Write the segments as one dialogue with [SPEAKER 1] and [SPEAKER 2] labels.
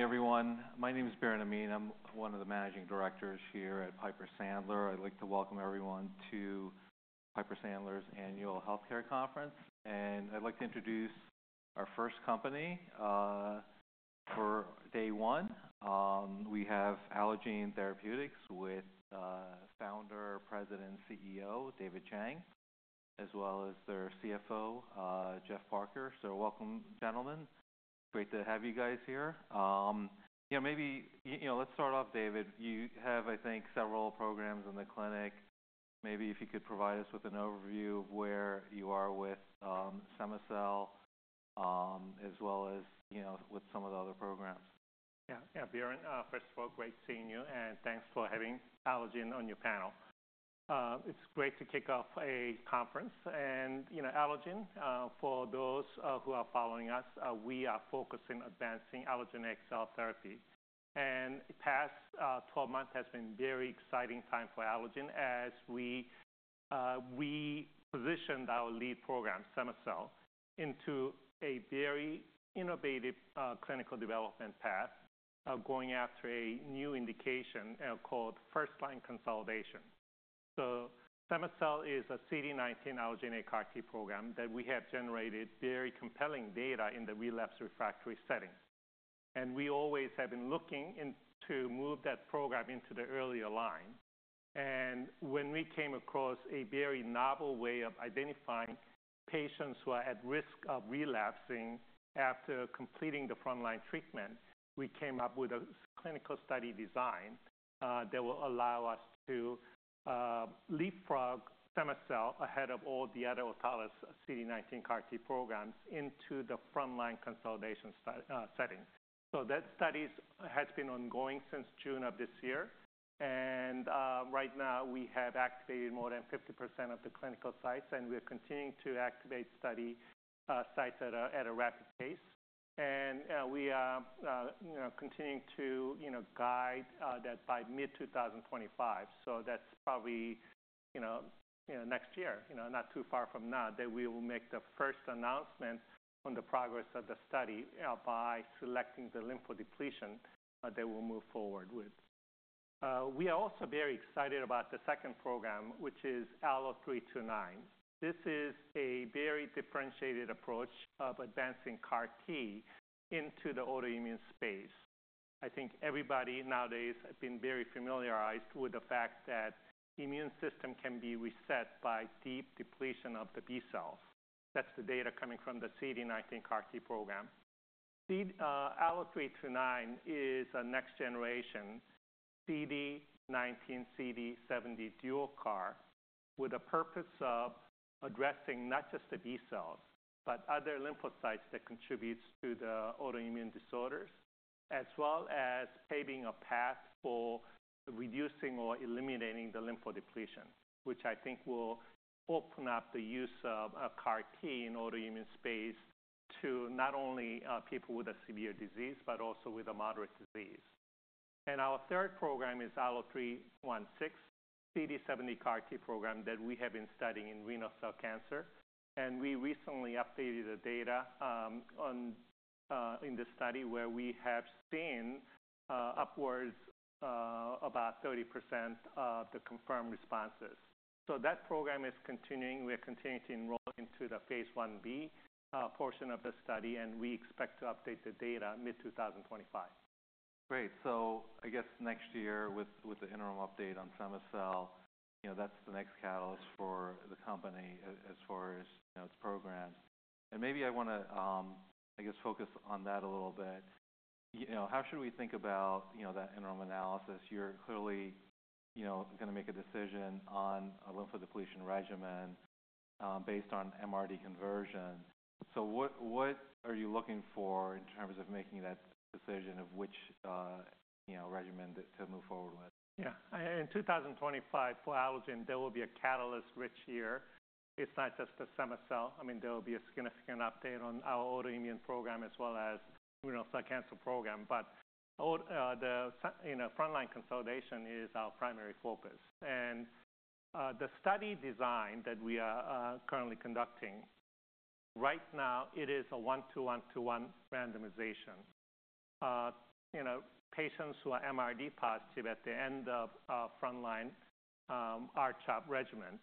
[SPEAKER 1] Good morning, everyone. My name is Biren Amin. I'm one of the managing directors here at Piper Sandler. I'd like to welcome everyone to Piper Sandler's annual healthcare conference. And I'd like to introduce our first company for day one. We have Allogene Therapeutics with Founder, President, CEO David Chang, as well as their CFO, Geoff Parker. So welcome, gentlemen. Great to have you guys here. You know, maybe, you know, let's start off, David. You have, I think, several programs in the clinic. Maybe if you could provide us with an overview of where you are with cema-cel, as well as, you know, with some of the other programs.
[SPEAKER 2] Yeah. Yeah, Biren, first of all, great seeing you. And thanks for having Allogene on your panel. It's great to kick off a conference. And, you know, Allogene, for those who are following us, we are focusing on advancing allogeneic CAR T therapy. And the past 12 months has been a very exciting time for Allogene as we positioned our lead program, cema-cel, into a very innovative clinical development path, going after a new indication, called first-line consolidation. So cema-cel is a CD19 allogeneic CAR T program that we have generated very compelling data in the relapse refractory setting. And we always have been looking into moving that program into the earlier line. When we came across a very novel way of identifying patients who are at risk of relapsing after completing the front-line treatment, we came up with a clinical study design that will allow us to leapfrog cema-cel ahead of all the other autologous CD19 CAR T programs into the front-line consolidation study setting. That study has been ongoing since June of this year. Right now, we have activated more than 50% of the clinical sites. We're continuing to activate study sites at a rapid pace. We are, you know, continuing to, you know, guide that by mid-2025. That's probably, you know, you know, next year, you know, not too far from now, that we will make the first announcement on the progress of the study by selecting the lymphodepletion that we'll move forward with. We are also very excited about the second program, which is ALLO-329. This is a very differentiated approach of advancing CAR T into the autoimmune space. I think everybody nowadays has been very familiarized with the fact that the immune system can be reset by deep depletion of the B cells. That's the data coming from the CD19 CAR T program. See, ALLO-329 is a next-generation CD19, CD70 dual CAR with a purpose of addressing not just the B cells, but other lymphocytes that contribute to the autoimmune disorders, as well as paving a path for reducing or eliminating the lymphodepletion, which I think will open up the use of CAR T in the autoimmune space to not only people with a severe disease, but also with a moderate disease. And our third program is ALLO-316, CD70 CAR T program that we have been studying in renal cell cancer. We recently updated the data in the study where we have seen upwards about 30% of the confirmed responses. That program is continuing. We're continuing to enroll into the phase I-B portion of the study. We expect to update the data mid-2025.
[SPEAKER 1] Great. So I guess next year with the interim update on cema-cel, you know, that's the next catalyst for the company as far as, you know, its programs. And maybe I wanna, I guess, focus on that a little bit. You know, how should we think about, you know, that interim analysis? You're clearly, you know, gonna make a decision on a lymphodepletion regimen, based on MRD conversion. So what are you looking for in terms of making that decision of which, you know, regimen to move forward with?
[SPEAKER 2] Yeah. In 2025 for Allogene, there will be a catalyst-rich year. It's not just the cema-cel. I mean, there will be a significant update on our autoimmune program as well as renal cell cancer program. But the, you know, front-line consolidation is our primary focus. And the study design that we are currently conducting right now, it is a 1:1:1 randomization. You know, patients who are MRD positive at the end of front-line R-CHOP regimen,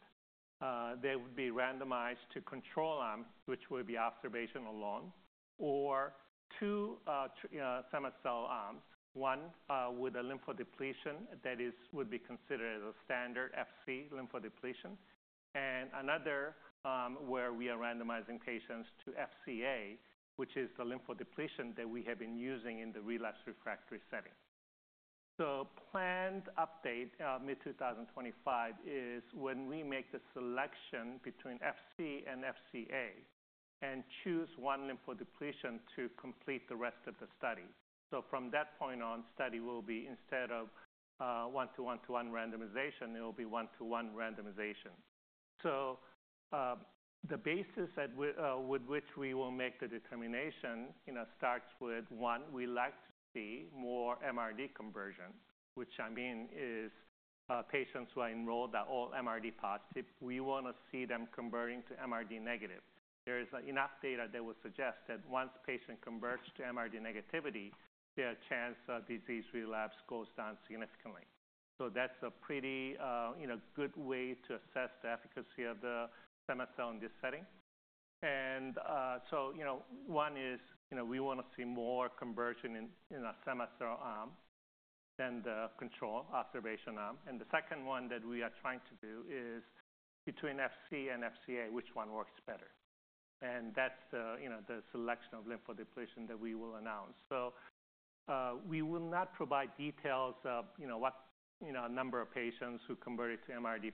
[SPEAKER 2] they would be randomized to control arms, which would be observation alone, or two cema-cel arms. One with a lymphodepletion that would be considered as a standard FC lymphodepletion. And another, where we are randomizing patients to FCA, which is the lymphodepletion that we have been using in the relapse refractory setting. Planned update, mid-2025 is when we make the selection between FC and FCA and choose one lymphodepletion to complete the rest of the study. From that point on, study will be instead of 1:1:1 randomization, it'll be 1:1 randomization. The basis with which we will make the determination, you know, starts with one, we like to see more MRD conversion, which I mean is patients who are enrolled are all MRD positive. We wanna see them converting to MRD negative. There is enough data that will suggest that once patient converts to MRD negativity, their chance of disease relapse goes down significantly. That's a pretty, you know, good way to assess the efficacy of the cema-cel in this setting. You know, one is you know we wanna see more conversion in a cema-cel arm than the control observation arm. And the second one that we are trying to do is between FC and FCA, which one works better. And that's the, you know, the selection of lymphodepletion that we will announce. So, we will not provide details of, you know, what, you know, number of patients who converted to MRD,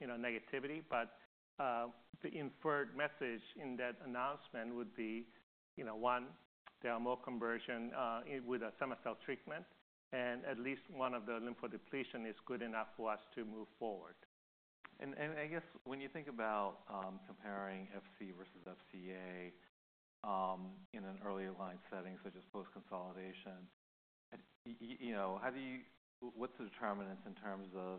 [SPEAKER 2] you know, negativity. But, the inferred message in that announcement would be, you know, one, there are more conversion, with a cema-cel treatment. And at least one of the lymphodepletion is good enough for us to move forward.
[SPEAKER 1] I guess when you think about comparing FC versus FCA in an earlier line setting, such as post-consolidation, you know, how do you, what's the determinants in terms of,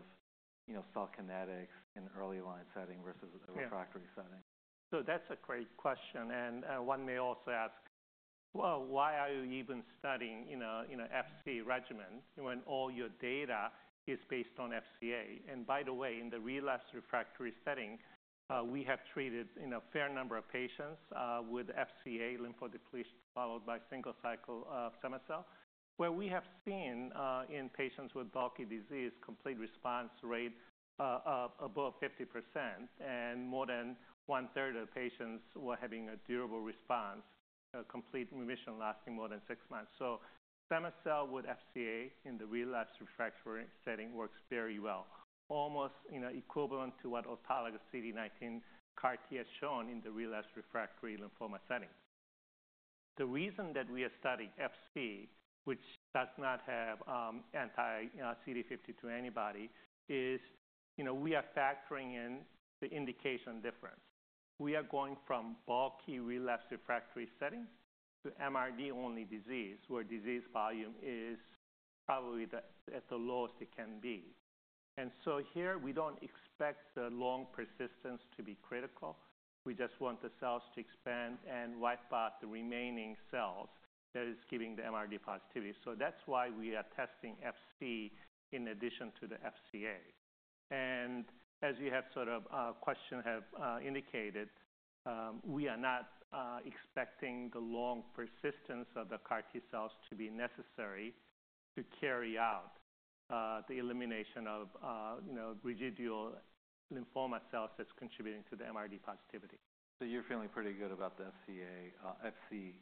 [SPEAKER 1] you know, cell kinetics in early line setting versus a refractory setting?
[SPEAKER 2] Yeah. So that's a great question. And one may also ask, well, why are you even studying, you know, FC regimen when all your data is based on FCA? And by the way, in the relapse refractory setting, we have treated, you know, a fair number of patients with FCA lymphodepletion followed by single cycle of cema-cel, where we have seen in patients with bulky disease complete response rate above 50%. And more than one-third of the patients were having a durable response, a complete remission lasting more than six months. So cema-cel with FCA in the relapse refractory setting works very well, almost, you know, equivalent to what autologous CD19 CAR T has shown in the relapse refractory lymphoma setting. The reason that we are studying FC, which does not have anti-CD52 antibody, is, you know, we are factoring in the indication difference. We are going from bulky relapse refractory setting to MRD-only disease where disease volume is probably at the lowest it can be. And so here, we don't expect the long persistence to be critical. We just want the cells to expand and wipe out the remaining cells that is giving the MRD positivity. So that's why we are testing FC in addition to the FCA. And as you have sort of indicated, we are not expecting the long persistence of the CAR T-cells to be necessary to carry out the elimination of, you know, residual lymphoma cells that's contributing to the MRD positivity.
[SPEAKER 1] You're feeling pretty good about the FCA, FC,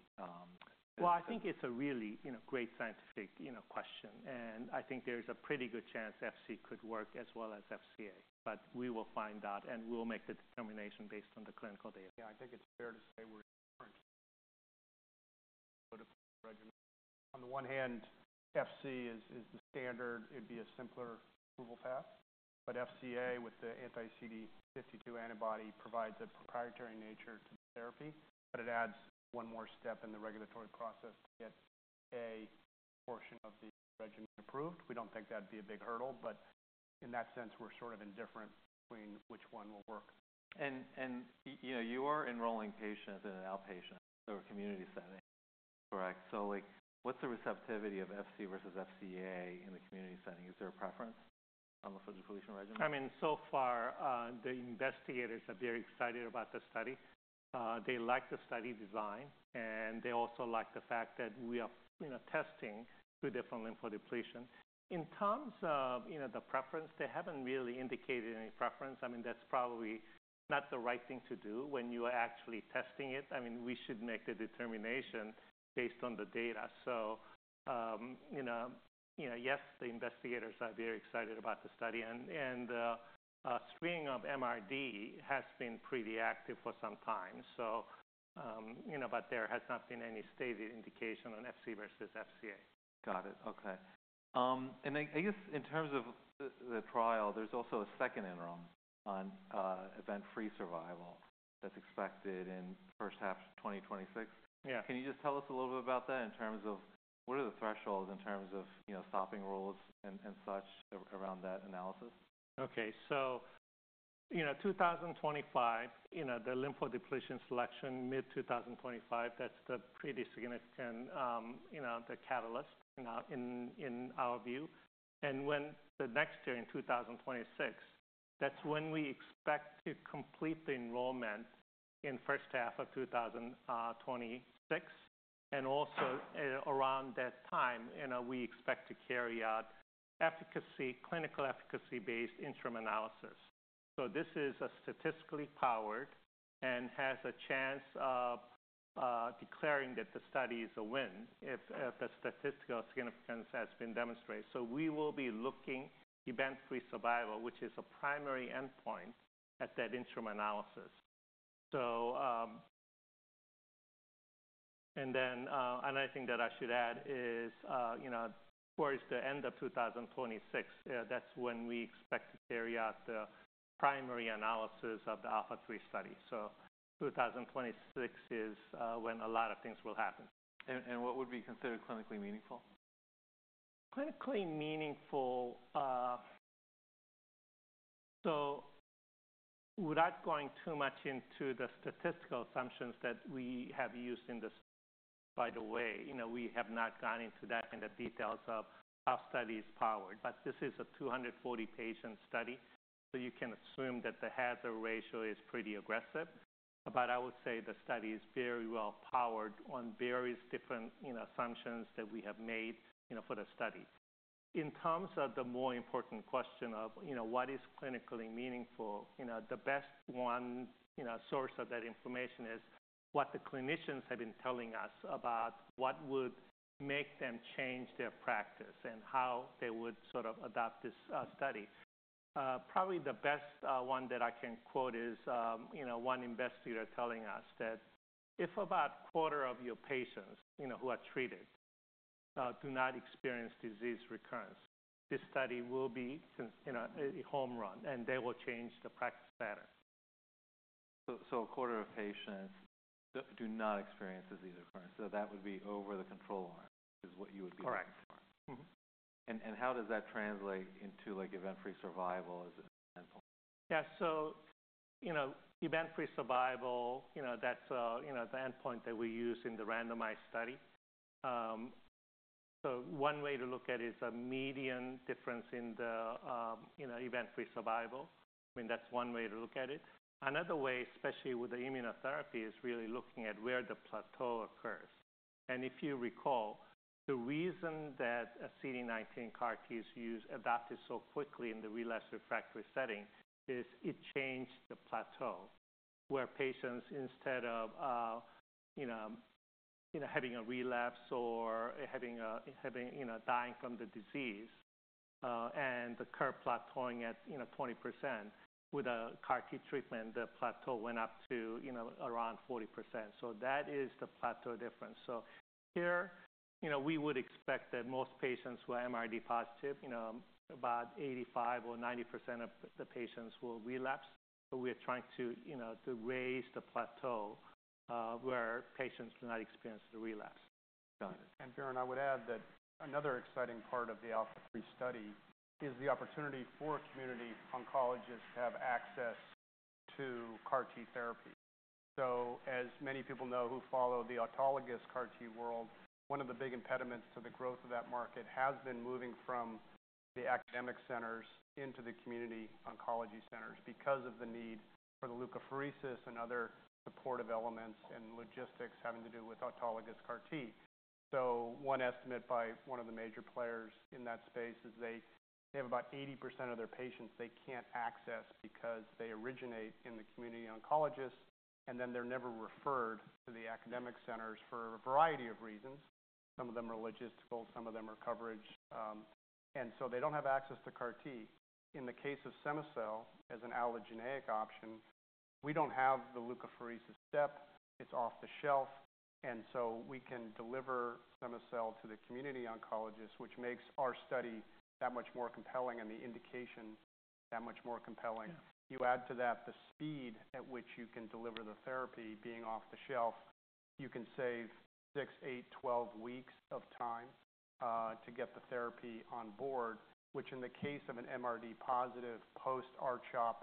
[SPEAKER 1] issue.
[SPEAKER 2] I think it's a really, you know, great scientific, you know, question, and I think there's a pretty good chance FC could work as well as FCA, but we will find out, and we'll make the determination based on the clinical data.
[SPEAKER 3] Yeah. I think it's fair to say we have different regimens. On the one hand, FC is the standard. It'd be a simpler approval path. But FCA with the anti-CD52 antibody provides a proprietary nature to the therapy. But it adds one more step in the regulatory process to get a portion of the regimen approved. We don't think that'd be a big hurdle. But in that sense, we're sort of indifferent between which one will work.
[SPEAKER 1] You know, you are enrolling patients in an outpatient or community setting, correct? Like, what's the receptivity of FC versus FCA in the community setting? Is there a preference on lymphodepletion regimen?
[SPEAKER 2] I mean, so far, the investigators are very excited about the study. They like the study design. And they also like the fact that we are, you know, testing two different lymphodepletion. In terms of, you know, the preference, they haven't really indicated any preference. I mean, that's probably not the right thing to do when you are actually testing it. I mean, we should make the determination based on the data. So, you know, yes, the investigators are very excited about the study. And screening of MRD has been pretty active for some time. So, you know, but there has not been any stated indication on FC versus FCA.
[SPEAKER 1] Got it. Okay, and I guess in terms of the trial, there's also a second interim on event-free survival that's expected in the first half of 2026.
[SPEAKER 2] Yeah.
[SPEAKER 1] Can you just tell us a little bit about that in terms of what are the thresholds in terms of, you know, stopping rules and such around that analysis?
[SPEAKER 2] Okay. So, you know, 2025, you know, the lymphodepletion selection mid-2025, that's the pretty significant, you know, the catalyst, you know, in, in our view. And when the next year in 2026, that's when we expect to complete the enrollment in the first half of 2026. And also, around that time, you know, we expect to carry out efficacy, clinical efficacy-based interim analysis. So this is statistically powered and has a chance of, declaring that the study is a win if, if the statistical significance has been demonstrated. So we will be looking event-free survival, which is a primary endpoint at that interim analysis. So, and then, another thing that I should add is, you know, towards the end of 2026, that's when we expect to carry out the primary analysis of the ALPHA3 study. So 2026 is, when a lot of things will happen.
[SPEAKER 1] What would be considered clinically meaningful?
[SPEAKER 2] Clinically meaningful, so without going too much into the statistical assumptions that we have used in this, by the way, you know, we have not gone into that kind of details of how study is powered. But this is a 240-page study. So you can assume that the hazard ratio is pretty aggressive. But I would say the study is very well powered on various different, you know, assumptions that we have made, you know, for the study. In terms of the more important question of, you know, what is clinically meaningful, you know, the best one, you know, source of that information is what the clinicians have been telling us about what would make them change their practice and how they would sort of adopt this, study. Probably the best one that I can quote is, you know, one investigator telling us that if about a quarter of your patients, you know, who are treated, do not experience disease recurrence, this study will be, you know, a home run. And they will change the practice pattern.
[SPEAKER 1] So a quarter of patients do not experience disease recurrence. So that would be over the control arm, is what you would be looking for. How does that translate into, like, event-free survival as an endpoint?
[SPEAKER 2] Yeah. So, you know, event-free survival, you know, that's, you know, the endpoint that we use in the randomized study. So one way to look at it is a median difference in the, you know, event-free survival. I mean, that's one way to look at it. Another way, especially with the immunotherapy, is really looking at where the plateau occurs. And if you recall, the reason that a CD19 CAR T is adopted so quickly in the relapse refractory setting is it changed the plateau where patients instead of, you know, having a relapse or having a, you know, dying from the disease, and the curve plateauing at, you know, 20%, with a CAR T treatment, the plateau went up to, you know, around 40%. So that is the plateau difference. So here, you know, we would expect that most patients who are MRD positive, you know, about 85% or 90% of the patients will relapse. But we are trying to, you know, to raise the plateau, where patients do not experience the relapse.
[SPEAKER 1] Got it.
[SPEAKER 3] Biren, I would add that another exciting part of the ALPHA3 study is the opportunity for community oncologists to have access to CAR T therapy. So as many people know who follow the autologous CAR T world, one of the big impediments to the growth of that market has been moving from the academic centers into the community oncology centers because of the need for the leukapheresis and other supportive elements and logistics having to do with autologous CAR T. So one estimate by one of the major players in that space is they have about 80% of their patients they can't access because they originate in the community oncologists. And then they're never referred to the academic centers for a variety of reasons. Some of them are logistical. Some of them are coverage, and so they don't have access to CAR T. In the case of cema-cel as an allogeneic option, we don't have the leukapheresis step. It's off the shelf, and so we can deliver cema-cel to the community oncologists, which makes our study that much more compelling and the indication that much more compelling. You add to that the speed at which you can deliver the therapy being off the shelf. You can save six, eight, 12 weeks of time, to get the therapy on board, which in the case of an MRD positive post-R-CHOP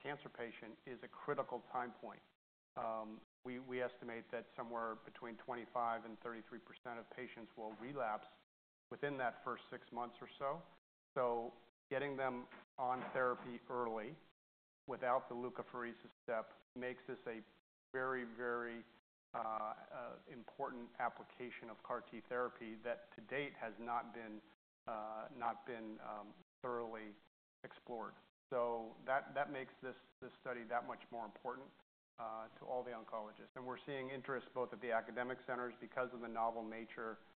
[SPEAKER 3] cancer patient is a critical time point. We estimate that somewhere between 25%-33% of patients will relapse within that first six months or so. So getting them on therapy early without the leukapheresis step makes this a very important application of CAR T therapy that to date has not been thoroughly explored. So that makes this study that much more important, to all the oncologists. We're seeing interest both at the academic centers because of the novel nature of the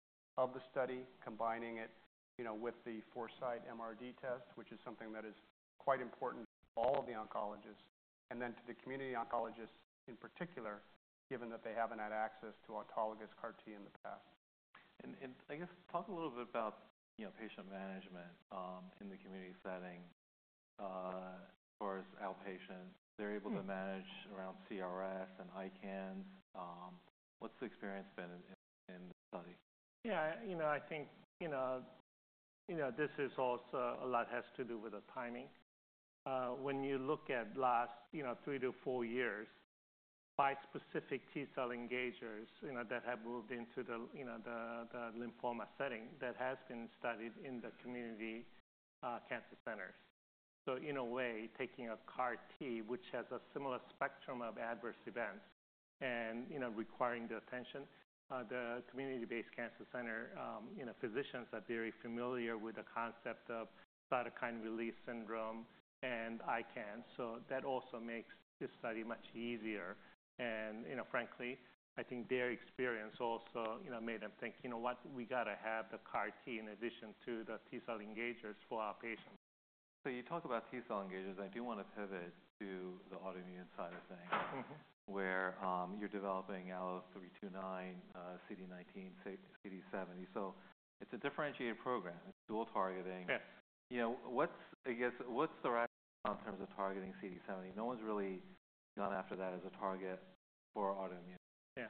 [SPEAKER 3] study, combining it, you know, with the Foresight MRD test, which is something that is quite important to all of the oncologists and then to the community oncologists in particular, given that they haven't had access to autologous CAR T in the past.
[SPEAKER 1] I guess talk a little bit about, you know, patient management, in the community setting, as far as outpatient. They're able to manage around CRS and ICANS. What's the experience been in the study?
[SPEAKER 2] Yeah. You know, I think, you know, you know, this is also, a lot has to do with the timing. When you look at the last three to four years bispecific T cell engagers, you know, that have moved into the, you know, the lymphoma setting that has been studied in the community cancer centers. So in a way, taking a CAR T, which has a similar spectrum of adverse events and, you know, requiring the attention, the community-based cancer center, you know, physicians are very familiar with the concept of cytokine release syndrome and ICANS. So that also makes this study much easier. And, you know, frankly, I think their experience also, you know, made them think, "You know what? We gotta have the CAR T in addition to the T cell engagers for our patients.
[SPEAKER 1] So you talk about T cell engagers. I do want to pivot to the autoimmune side of things. We're developing ALLO-329, CD19, CD70. So it's a differentiated program. It's dual targeting. You know, I guess, what's the rationale in terms of targeting CD70? No one's really gone after that as a target for autoimmune.
[SPEAKER 2] Yeah,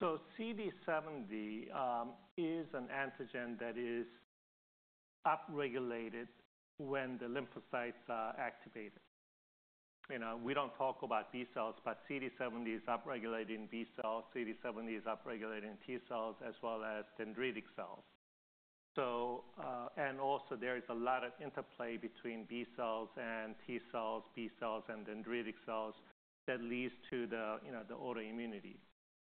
[SPEAKER 2] so CD70 is an antigen that is upregulated when the lymphocytes are activated. You know, we don't talk about B cells, but CD70 is upregulating B cells. CD70 is upregulating T cells as well as dendritic cells. So and also there is a lot of interplay between B cells and T cells, B cells and dendritic cells that leads to the, you know, the autoimmunity.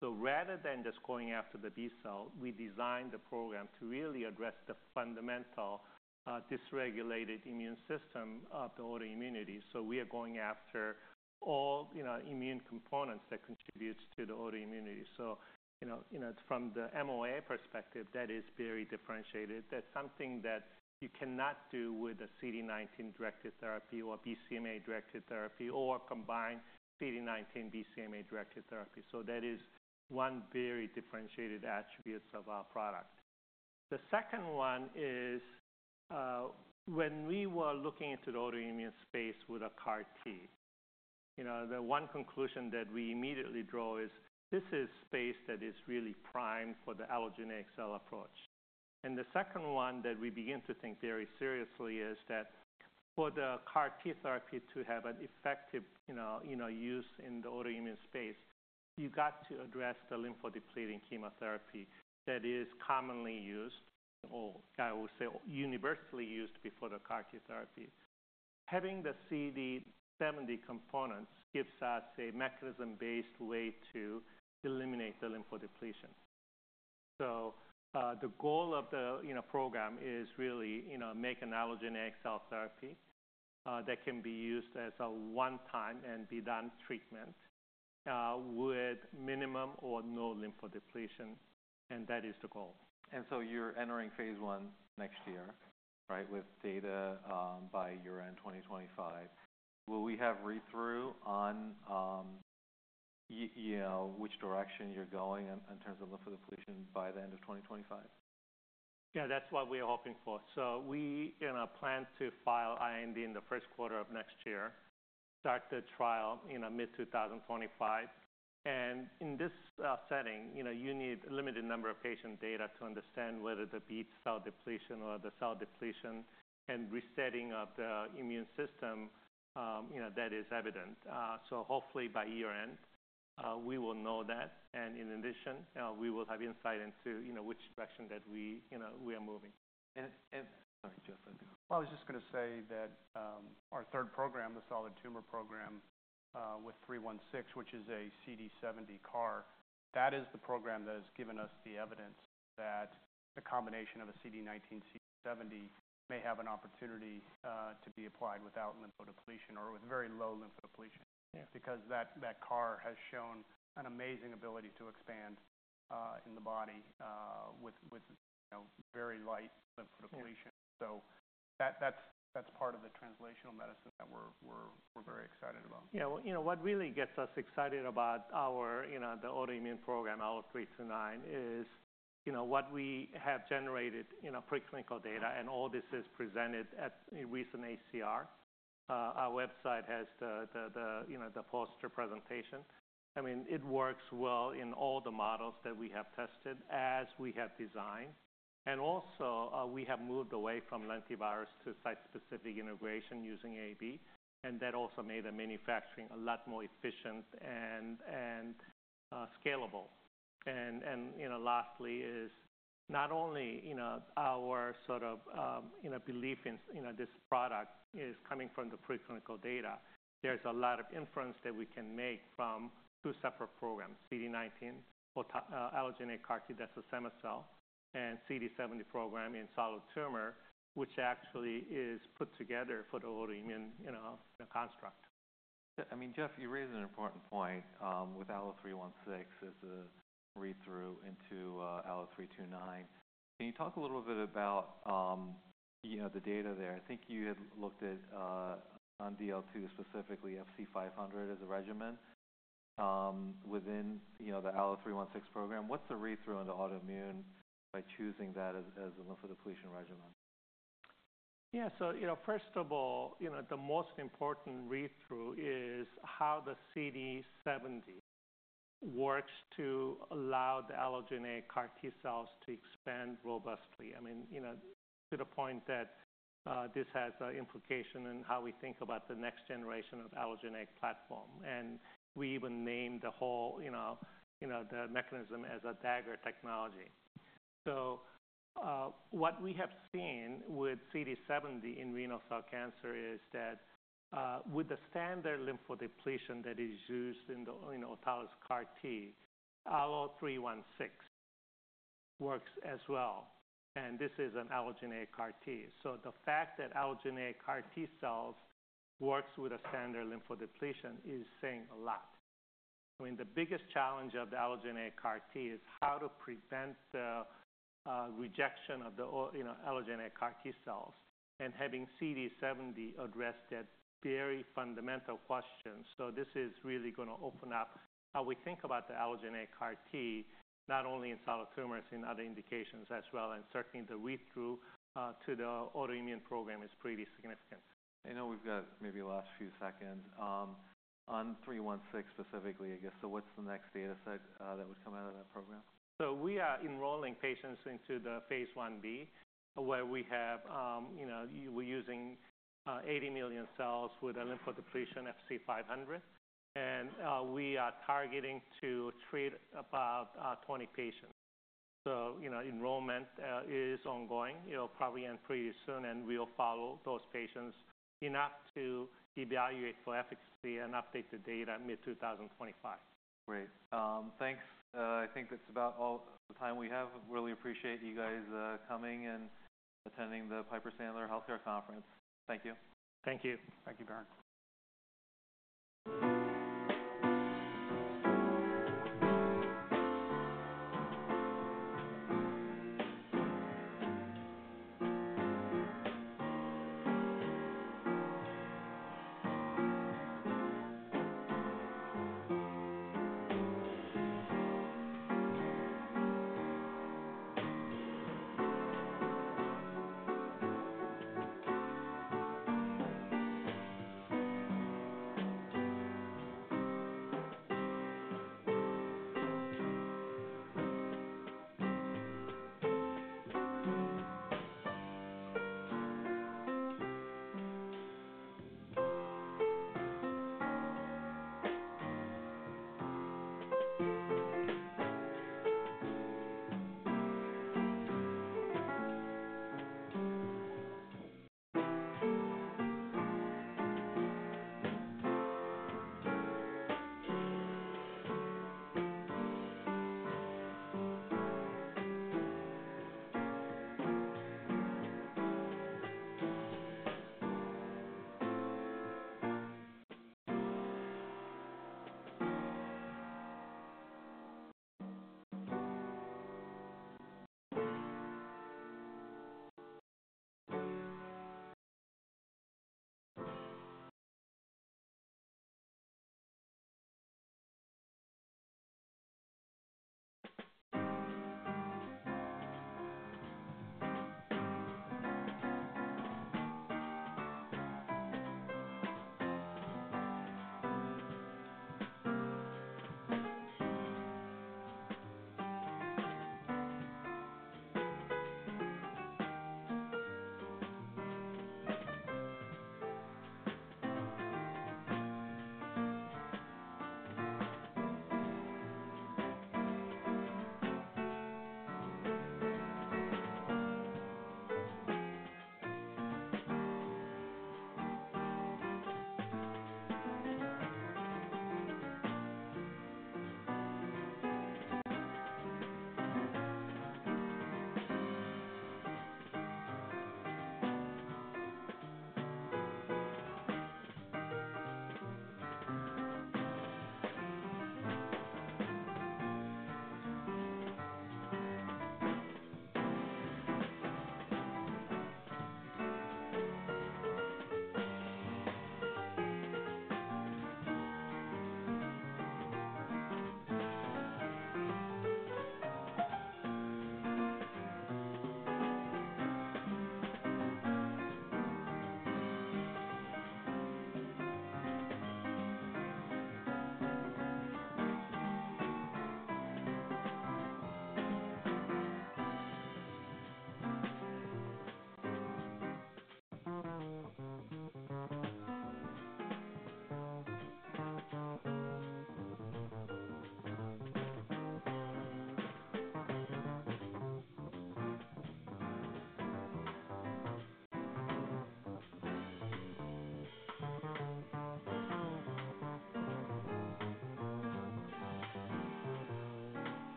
[SPEAKER 2] So rather than just going after the B cell, we designed the program to really address the fundamental, dysregulated immune system of the autoimmunity. So we are going after all, you know, immune components that contribute to the autoimmunity. So, you know, you know, from the MOA perspective, that is very differentiated. That's something that you cannot do with a CD19-directed therapy or BCMA-directed therapy or combined CD19-BCMA-directed therapy. So that is one very differentiated attribute of our product. The second one is, when we were looking into the autoimmune space with a CAR T, you know, the one conclusion that we immediately draw is this is space that is really primed for the allogeneic cell approach. And the second one that we begin to think very seriously is that for the CAR T therapy to have an effective, you know, you know, use in the autoimmune space, you got to address the lymphodepleting chemotherapy that is commonly used or I would say universally used before the CAR T therapy. Having the CD70 components gives us a mechanism-based way to eliminate the lymphodepletion. So, the goal of the, you know, program is really, you know, make an allogeneic cell therapy, that can be used as a one-time and be-done treatment, with minimum or no lymphodepletion. And that is the goal.
[SPEAKER 1] And so you're entering phase I next year, right, with data, by year-end 2025. Will we have read-through on, you know, which direction you're going in, in terms of lymphodepletion by the end of 2025?
[SPEAKER 2] Yeah. That's what we are hoping for. So we, you know, plan to file IND in the first quarter of next year, start the trial in mid-2025. And in this setting, you know, you need a limited number of patient data to understand whether the B cell depletion or the cell depletion and resetting of the immune system, you know, that is evident. So hopefully by year-end, we will know that. And in addition, we will have insight into, you know, which direction that we, you know, we are moving.
[SPEAKER 1] Sorry, Geoff, let me go.
[SPEAKER 3] I was just gonna say that, our third program, the solid tumor program, with 316, which is a CD70 CAR, that is the program that has given us the evidence that the combination of a CD19, CD70 may have an opportunity, to be applied without lymphodepletion or with very low lymphodepletion. Because that CAR has shown an amazing ability to expand in the body with, you know, very light lymphodepletion. That's part of the translational medicine that we're very excited about.
[SPEAKER 2] Yeah. Well, you know, what really gets us excited about our, you know, the autoimmune program, ALLO-329, is, you know, what we have generated, you know, preclinical data. And all this is presented at a recent ACR. Our website has the, you know, the poster presentation. I mean, it works well in all the models that we have tested as we have designed. And also, we have moved away from lentivirus to site-specific integration using AAV. And that also made the manufacturing a lot more efficient and scalable. And you know, lastly is not only, you know, our sort of, you know, belief in, you know, this product is coming from the preclinical data. There's a lot of inference that we can make from two separate programs, CD19 allogeneic CAR T that's a cema-cel and CD70 program in solid tumor, which actually is put together for the autoimmune, you know, construct.
[SPEAKER 1] I mean, Jeff, you raised an important point with ALLO-316 as the read-through into ALLO-329. Can you talk a little bit about, you know, the data there? I think you had looked at on DL2 specifically FC500 as a regimen within, you know, the ALLO-316 program. What's the read-through on the autoimmune by choosing that as, as a lymphodepletion regimen?
[SPEAKER 2] Yeah. So, you know, first of all, you know, the most important readout is how the CD70 works to allow the allogeneic CAR T-cells to expand robustly. I mean, you know, to the point that this has a implication in how we think about the next generation of allogeneic platform. And we even named the whole, you know, you know, the mechanism as Dagger technology. So, what we have seen with CD70 in renal cell cancer is that with the standard lymphodepletion that is used in the, you know, autologous CAR T, ALLO-316 works as well. And this is an allogeneic CAR T. So the fact that allogeneic CAR T-cells works with a standard lymphodepletion is saying a lot. I mean, the biggest challenge of the allogeneic CAR T is how to prevent the rejection of the you know allogeneic CAR T-cells and having CD70 address that very fundamental question, so this is really gonna open up how we think about the allogeneic CAR T, not only in solid tumors, in other indications as well, and certainly the read-through to the autoimmune program is pretty significant.
[SPEAKER 1] I know we've got maybe the last few seconds on 316 specifically, I guess. So what's the next data set that would come out of that program?
[SPEAKER 2] We are enrolling patients into the phase I-B where we have, you know, we're using 80 million cells with a lymphodepletion FC500. We are targeting to treat about 20 patients. You know, enrollment is ongoing. It'll probably end pretty soon. We'll follow those patients enough to evaluate for efficacy and update the data mid-2025.
[SPEAKER 1] Great. Thanks. I think that's about all the time we have. Really appreciate you guys coming and attending the Piper Sandler Healthcare Conference. Thank you.
[SPEAKER 2] Thank you.
[SPEAKER 3] Thank you, Biren.
[SPEAKER 4] Right on time.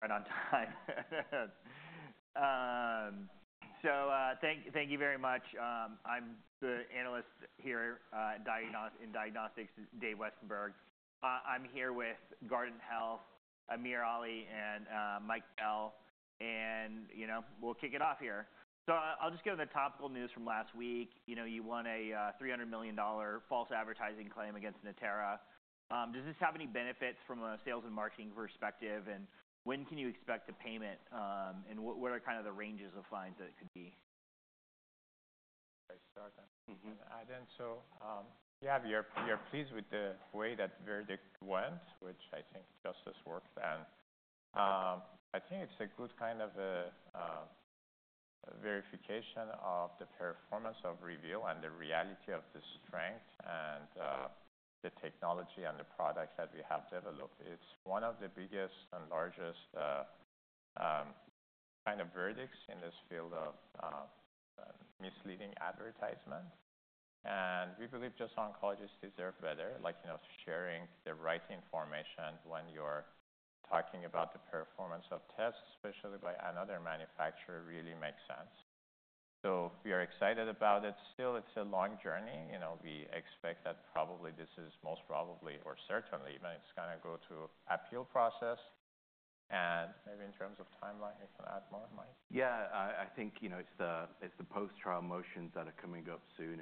[SPEAKER 4] So, thank you very much. I'm the analyst here, in diagnostics, Dave Westenberg. I'm here with Guardant Health, AmirAli, and Mike Bell. And, you know, we'll kick it off here. So I'll just get on the topical news from last week. You know, you won a $300 million false advertising claim against Natera. Does this have any benefits from a sales and marketing perspective? And when can you expect the payment? And what are kind of the ranges of fines that it could be?
[SPEAKER 5] Sorry. I think so. Yeah, we are pleased with the way that verdict went, which I think justice worked. And I think it's a good kind of a verification of the performance of Reveal and the reality of the strength and the technology and the products that we have developed. It's one of the biggest and largest kind of verdicts in this field of misleading advertisement. And we believe just oncologists deserve better, like, you know, sharing the right information when you're talking about the performance of tests, especially by another manufacturer, really makes sense. So we are excited about it. Still, it's a long journey. You know, we expect that probably this is most probably or certainly, but it's gonna go to appeal process. And maybe in terms of timeline, you can add more, Mike?
[SPEAKER 6] Yeah. I think, you know, it's the post-trial motions that are coming up soon.